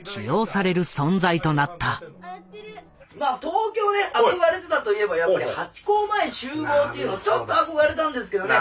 東京で憧れてたといえばやっぱりハチ公前集合というのちょっと憧れたんですけどね